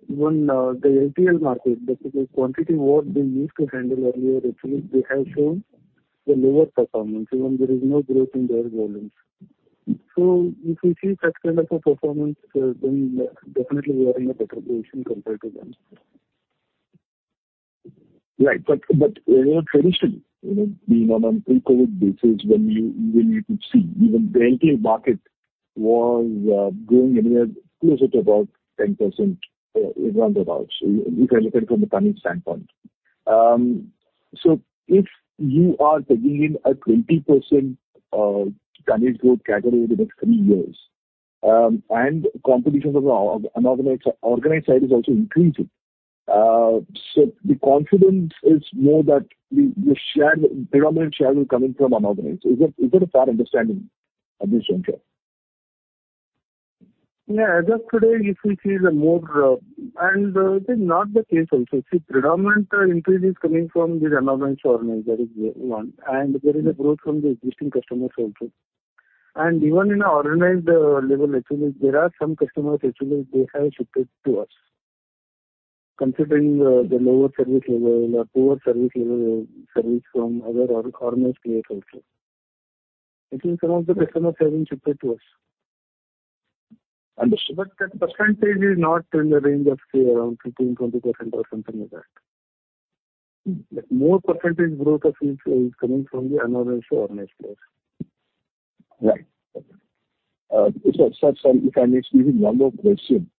even the LTL market, basically, quantity what they used to handle earlier, actually, they have shown the lower performance even there is no growth in their volumes. So if we see such kind of a performance, then definitely we are in a better position compared to them. Right. But, you know, traditionally, you know, being on a pre-COVID basis, when you could see even the LTL market was going anywhere closer to about 10%, around about, see, if I look at it from a turnovers standpoint. So if you are taking in a 20% turnovers growth category over the next three years, and competition from the unorganized organized side is also increasing, so the confidence is more that the share, the predominant share will come in from unorganized. Is that a fair understanding at this juncture? Yeah. Just today, if we see the more, and it is not the case also. See, predominant increase is coming from the unorganized to organized. That is one. And there is a growth from the existing customers also. And even in the organized level, actually, there are some customers, actually, they have shifted to us considering the lower service level or poorer service level service from other organized players also. Actually, some of the customers have been shifted to us. Understood. But that percentage is not in the range of, say, around 15%-20% or something like that. More percentage growth of, is coming from the unorganized to organized players. Right. Okay. Sir, sir, sir, if I may excuse you, one more question.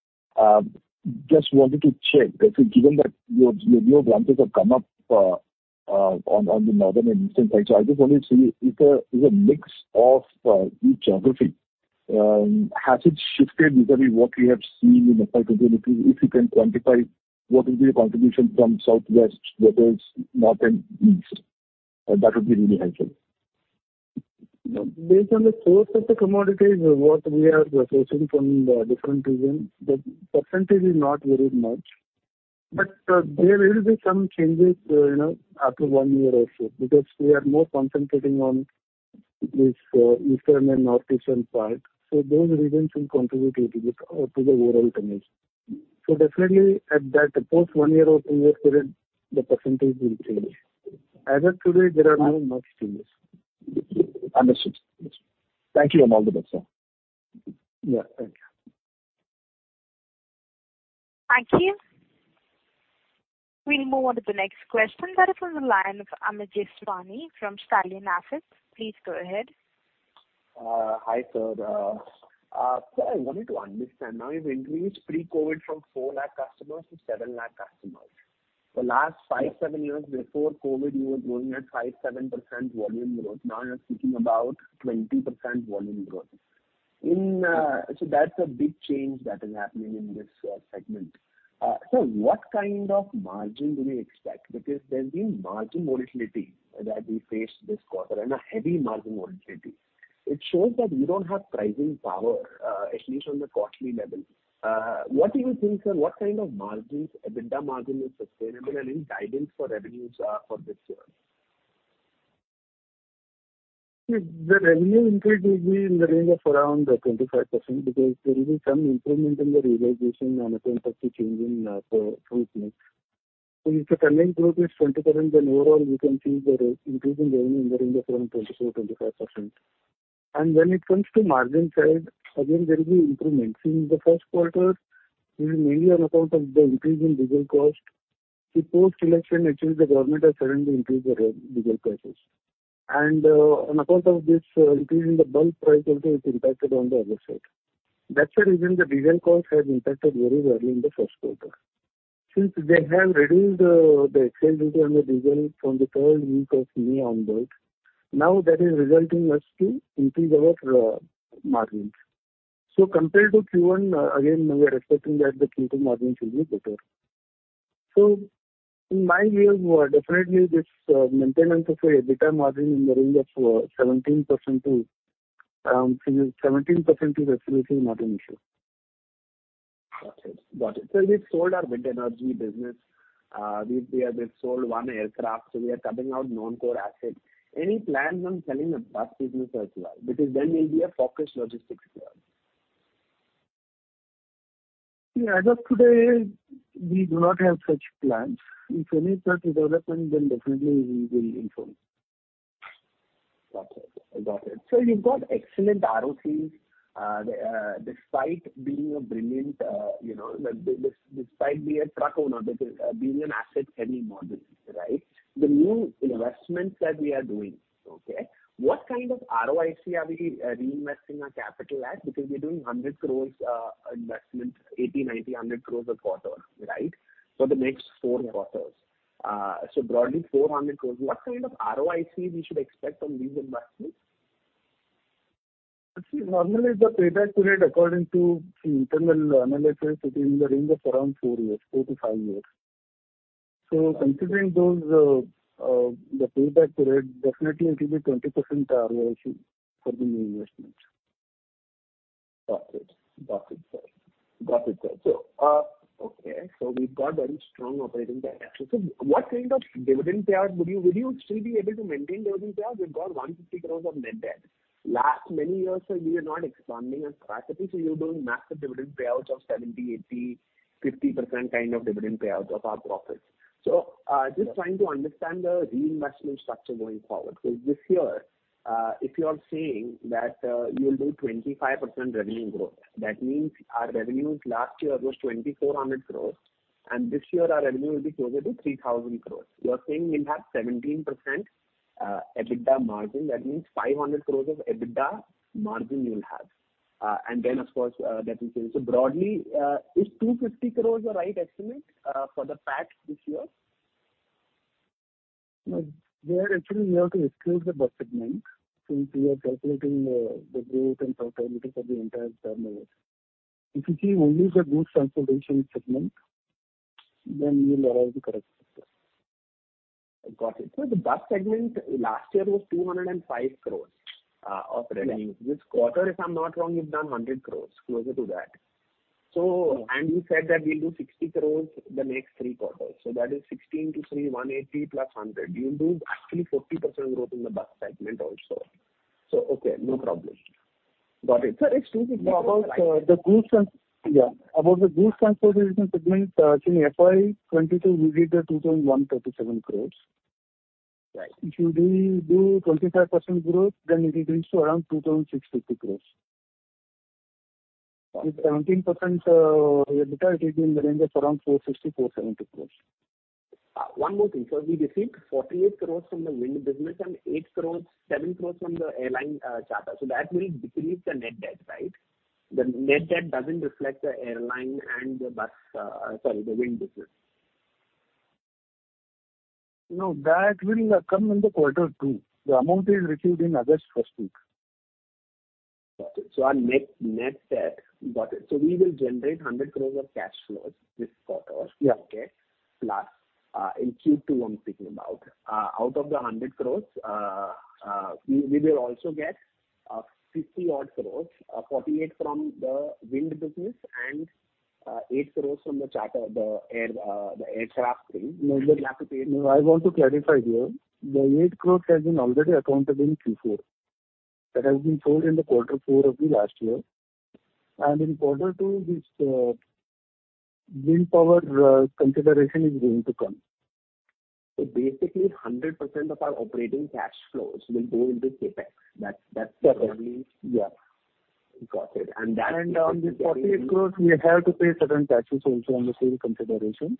Just wanted to check. Actually, given that your newer branches have come up on the northern and eastern side, so I just wanted to see is the mix of each geography has it shifted vis-à-vis what we have seen in FY 2023? If you can quantify what would be the contribution from southwest versus north and east, that would be really helpful. No. Based on the source of the commodities or what we are sourcing from the different region, the percentage is not very much. But there will be some changes, you know, after 1 year or so because we are more concentrating on this Eastern and Northeastern part. So those regions will contribute a little bit to the overall turnover. So definitely, at that post-1-year or 2-year period, the percentage will change. As of today, there are no much changes. Understood. Understood. Thank you and all the best, sir. Yeah. Thank you. Thank you. We'll move on to the next question. That is on the line of Amit Jeswani from Stallion Asset. Please go ahead. Hi, sir. Sir, I wanted to understand. Now you've increased pre-COVID from 400,000 customers to 700,000 customers. The last five to seven years before COVID, you were growing at 5%-7% volume growth. Now you're speaking about 20% volume growth. In, so that's a big change that is happening in this, segment. Sir, what kind of margin do we expect? Because there's been margin volatility that we faced this quarter and a heavy margin volatility. It shows that we don't have pricing power, at least on the costly level. What do you think, sir? What kind of margins, EBITDA margin is sustainable, and any guidance for revenues, for this year? See, the revenue increase will be in the range of around 25% because there will be some improvement in the realization management of the change in growth mix. So if the turnovers growth is 20%, then overall, we can see the increase in revenue in the range of around 24%-25%. And when it comes to margin side, again, there will be improvements. In the first quarter, it will be mainly on account of the increase in diesel cost. See, post-election, actually, the government has suddenly increased the diesel prices. And, on account of this, increase in the bulk price also, it's impacted on the other side. That's the reason the diesel cost has impacted very badly in the first quarter. Since they have reduced, the excise duty on the diesel from the third week of May onward, now that is resulting as to increase our margins. So compared to Q1, again, we are expecting that the Q2 margin will be better. So in my view, definitely, this, maintenance of the EBITDA margin in the range of 17% to, see, 17% is absolutely not an issue. Got it. Got it. Sir, we've sold our wind energy business. We have sold 1 aircraft, so we are cutting out non-core assets. Any plans on selling the bus business as well because then we'll be a focused logistics client? Yeah. As of today, we do not have such plans. If any such development, then definitely we will inform. Got it. I got it. So you've got excellent ROIC despite being a brilliant, you know, despite being a truck owner because, being an asset-heavy model, right? The new investments that we are doing, okay, what kind of ROIC are we reinvesting our capital at? Because we're doing 100 crore investment, 80 crore, 90 crore, 100 crore a quarter, right, for the next four quarters. So broadly, 400 crore. What kind of ROIC we should expect from these investments? See, normally, the payback period according to the internal analysis, it is in the range of around four years, four to five years. So considering those, the payback period, definitely it will be 20% ROIC for the new investments. Got it. Got it, sir. Got it, sir. So, okay. So we've got very strong operating capacity. So what kind of dividend payout would you would you still be able to maintain dividend payout? We've got 150 crore of net debt. Last many years, sir, we were not expanding as rapidly, so you were doing massive dividend payouts of 70%, 80%, 50% kind of dividend payout of our profits. So, just trying to understand the reinvestment structure going forward. So this year, if you are saying that, you will do 25% revenue growth, that means our revenues last year was 2,400 crore, and this year our revenue will be closer to 3,000 crore. You are saying we'll have 17% EBITDA margin. That means 500 crore of EBITDA margin you'll have. And then, of course, that will change. So broadly, is 250 crore the right estimate, for the PAT this year? No. We are actually here to exclude the bus segment since we are calculating the growth and profitability for the entire terminal. If you see only the goods transportation segment, then you'll allow the correct figure. I got it. So the bus segment last year was 205 crore of revenue. This quarter, if I'm not wrong, you've done 100 crore, closer to that. So, and you said that we'll do 60 crore the next three quarters. So that is Q1 to Q3, 180 + 100. You'll do actually 40% growth in the bus segment also. So, okay. No problem. Got it. Sir, it's 250 crore. About the goods transportation segment, actually, FY 2022, we did 2,137 crores. Right. If you do 25% growth, then it will reach around 2,650 crore. Got it. With 17% EBITDA, it will be in the range of around 460 crores-470 crores. One more thing, sir. We received 48 crore from the wind business and 8 crore, 7 crore from the airline charter. So that will decrease the net debt, right? The net debt doesn't reflect the airline and the bus, sorry, the wind business. No. That will come in the quarter two. The amount is received in August first week. Got it. So our net, net debt, got it. So we will generate 100 crore of cash flows this quarter, okay, plus, in Q2 I'm speaking about. Out of the 100 crore, we, we will also get, 50-odd crore, 48 crore from the wind business and, 8 crore from the charter, the air, the aircraft crew that we have to pay. No. I want to clarify here. The 8 crore has been already accounted in Q4. That has been sold in the quarter four of the last year. In quarter two, this, Wind Power, consideration is going to come. Basically, 100% of our operating cash flows will go into CapEx. That's probably. Yes. Yes. Got it. And that will. On the 48 crore, we have to pay certain taxes also on the sales consideration.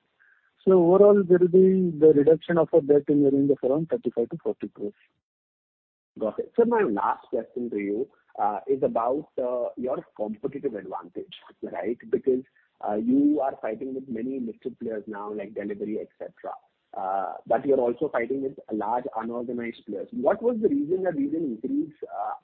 Overall, there will be the reduction of our debt in the range of around 35 crore-40 crore. Got it. Sir, my last question to you is about your competitive advantage, right, because you are fighting with many listed players now like Delhivery, etc., but you're also fighting with large unorganized players. What was the reason that we didn't increase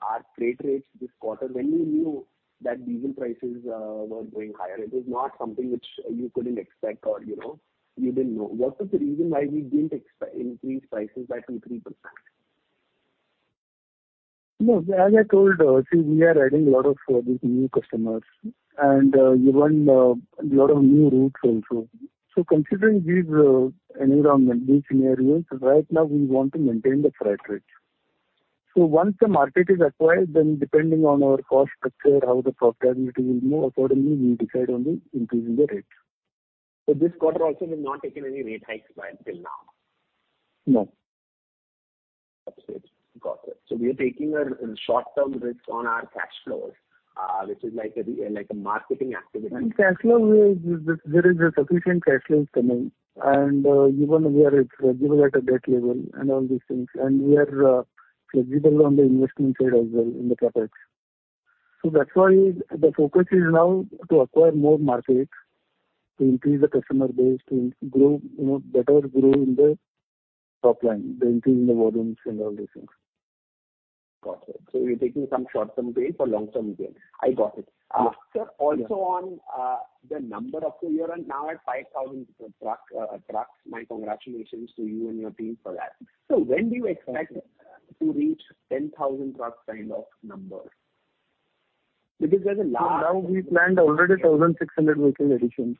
our freight rates this quarter when you knew that diesel prices were going higher? It was not something which you couldn't expect or, you know, you didn't know. What was the reason why we didn't expect increased prices by 2%-3%? No. As I told, see, we are adding a lot of these new customers. And you want a lot of new routes also. So considering these environments, these scenarios, right now, we want to maintain the freight rates. So once the market is acquired, then depending on our cost structure, how the profitability will move, accordingly, we decide on the increasing the rates. This quarter also you've not taken any rate hikes but till now? No. As of date. Got it. So we are taking a short-term risk on our cash flows, which is like a marketing activity. Cash flow, there is sufficient cash flow coming. Even we are flexible at the debt level and all these things. We are flexible on the investment side as well in the CapEx. So that's why the focus is now to acquire more market, to increase the customer base, to grow, you know, better grow in the top line, the increase in the volumes and all these things. Got it. So you're taking some short-term gain for long-term gain. I got it. Sir, also on the number of, so you're now at 5,000 trucks, trucks. My congratulations to you and your team for that. So when do you expect to reach 10,000 trucks kind of number? Because there's a large number. So now we planned already 1,600 vehicle additions.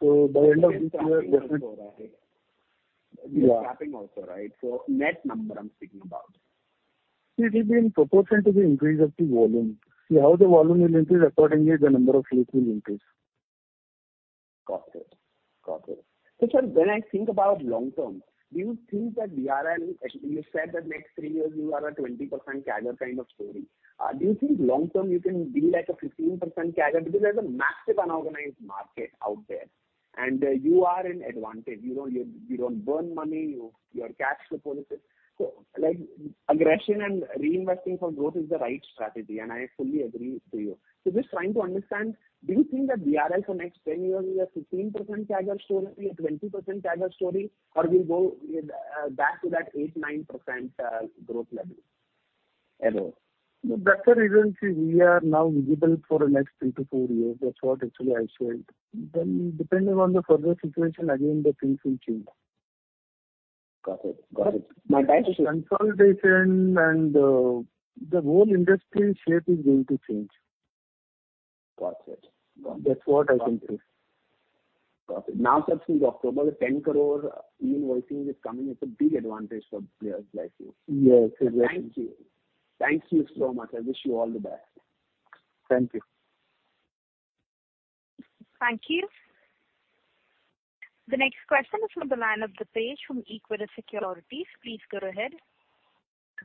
So by the end of this year, definitely. Yous're scrapping also, right? Yeah. You're scrapping also, right? So net number I'm speaking about. See, it will be in proportion to the increase of the volume. See how the volume will increase. Accordingly, the number of fleets will increase. Got it. Got it. So, sir, when I think about long-term, do you think that VRL you said that next three years, you are a 20% CAGR kind of story. Do you think long-term, you can be like a 15% CAGR because there's a massive unorganized market out there, and you are in advantage. You don't you don't burn money. Your cash flow policy so like aggression and reinvesting for growth is the right strategy, and I fully agree to you. So just trying to understand, do you think that VRL for next 10 years, we are 15% CAGR story, a 20% CAGR story, or we'll go back to that 8%-9%, growth level ever? No. That's the reason see, we are now visible for the next three to four years. That's what actually I shared. Then depending on the further situation, again, the things will change. Got it. Got it. But my guidance is consolidation and the whole industry shape is going to change. Got it. Got it. That's what I can say. Got it. Now, such things, October, the 10 crore e-invoicing is coming. It's a big advantage for players like you. Yes. Exactly. Thank you. Thank you so much. I wish you all the best. Thank you. Thank you. The next question is from the line of Depesh from Equirus Securities. Please go ahead.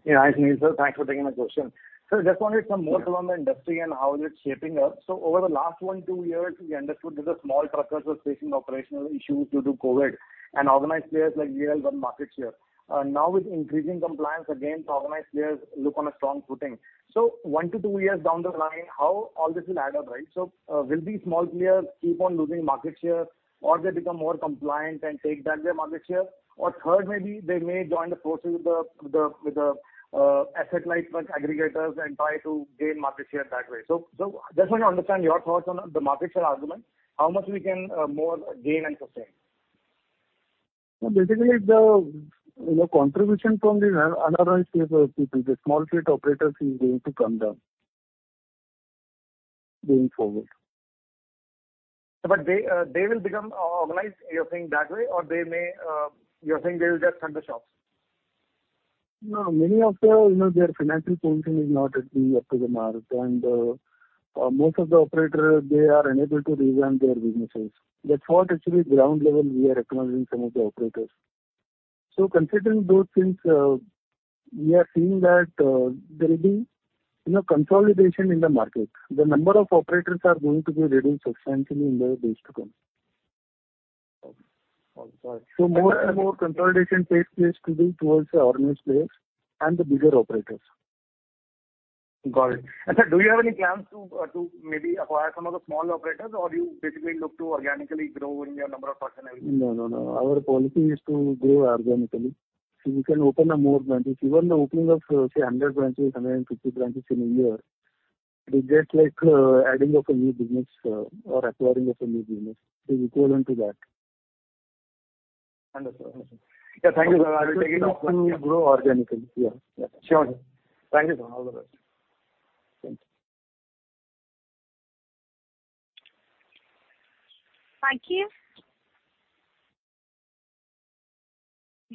Yeah. Hi, Sunil. Thanks for taking my question. Sir, I just wanted some more from the industry and how it is shaping up. So over the last one to two years, we understood that the small truckers were facing operational issues due to COVID, and organized players like VRL won market share. Now with increasing compliance, again, organized players look on a strong footing. So one to two years down the line, how all this will add up, right? So, will these small players keep on losing market share, or they become more compliant and take back their market share? Or third, maybe they may join the process with the asset-light truck aggregators and try to gain market share that way. So I just want to understand your thoughts on the market share argument, how much more we can gain and sustain. Yeah. Basically, you know, the contribution from these unorganized people, the small fleet operators, is going to come down going forward. But they, they will become organized, you're saying, that way, or they may, you're saying they will just shut the shops? No. Many of the, you know, their financial position is not really up to the mark. Most of the operators, they are unable to revamp their businesses. That's what actually ground level, we are acknowledging some of the operators. Considering those things, we are seeing that, there will be, you know, consolidation in the market. The number of operators are going to be reduced substantially in the days to come. Okay. Got it. More and more consolidation takes place to be towards the organized players and the bigger operators. Got it. And, sir, do you have any plans to maybe acquire some of the small operators, or you basically look to organically grow in your number of trucks and everything? No. No. No. Our policy is to grow organically. See, we can open more branches. Even the opening of, see, 100 branches, 150 branches in a year, it is just like adding of a new business, or acquiring of a new business. It is equivalent to that. Understood. Understood. Yeah. Thank you, sir. I will take it off. We need to grow organically. Yeah. Yeah. Sure. Thank you, sir. All the best. Thank you. Thank you.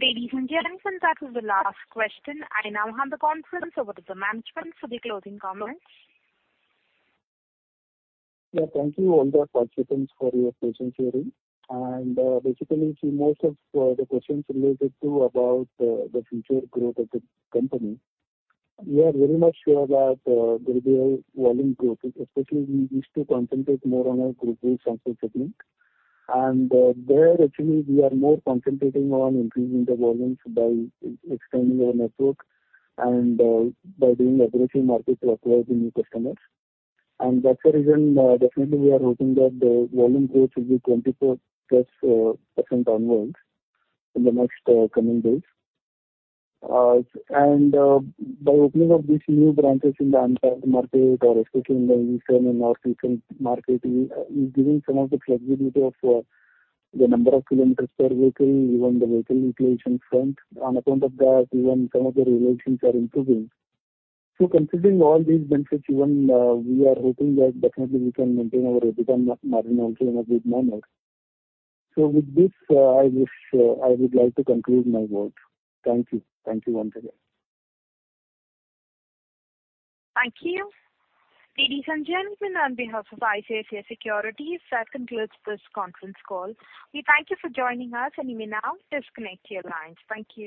Ladies and gentlemen, that was the last question. I now hand the conference over to the management for the closing comments. Yeah. Thank you, all the participants, for your patience here. And, basically, see, most of, the questions related to about, the future growth of the company, we are very much sure that, there will be a volume growth, especially we used to concentrate more on our Goods Transportation. And, there, actually, we are more concentrating on increasing the volumes by extending our network and, by doing aggressive marketing to acquire the new customers. And that's the reason, definitely, we are hoping that the volume growth will be 24%+ onwards in the next, coming days. And, by opening up these new branches in the untapped market, or especially in the eastern and northeastern market, we are giving some of the flexibility of, the number of kilometers per vehicle, even the vehicle utilization front. On account of that, even some of the realizations are improving. So, considering all these benefits, even, we are hoping that definitely we can maintain our EBITDA margin also in a good manner. So with this, I wish, I would like to conclude my words. Thank you. Thank you once again. Thank you. Ladies and gentlemen, on behalf of ICICI Securities, that concludes this conference call. We thank you for joining us, and you may now disconnect your lines. Thank you.